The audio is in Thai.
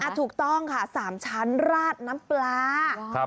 ถูกต้องค่ะ๓ชั้นราดน้ำปลา